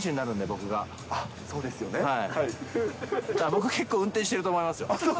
僕、結構運転してると思いますよ。